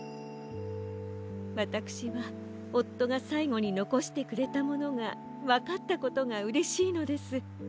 わたくしはおっとがさいごにのこしてくれたものがわかったことがうれしいのです。